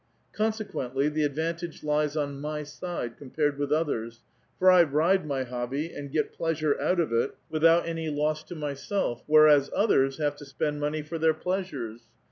Consequentl3', the advantage lies on my side, compared with others ; for I ride ^y liobby and get pleasure out of it, without any loss to myself; whereas, others have to spend money for their pleasures.